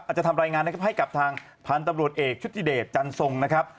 จะทำรายงานนะครับให้กับทางพันธุ์ตำรวจเอกชุธิเดชจันทรงนะครับ